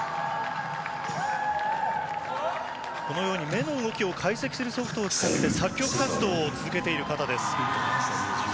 このように目の動きを解析するソフトを使って作曲活動を続けている方です。